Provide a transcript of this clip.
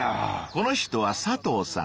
この人は佐藤さん。